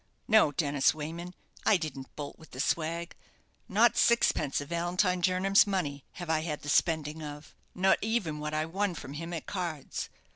No, Dennis Wayman; I didn't bolt with the swag not sixpence of Valentine Jernam's money have I had the spending of; no even what I won from him at cards.